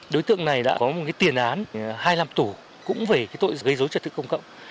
đối tượng này đã có một tiền án hai năm tù cũng về tội gây dối trật tự công cộng